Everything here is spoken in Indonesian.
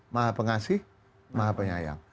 maha pengasih maha penyayang